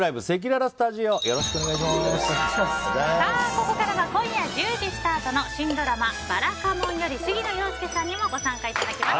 ここからは今夜１０時スタートの新ドラマ「ばらかもん」より杉野遥亮さんにもご参加いただきます。